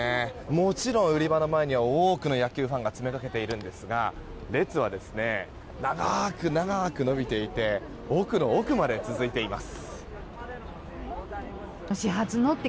もちろん売り場の前には多くの野球ファンが詰めかけているんですが列は長く伸びていて奥の奥まで続いています。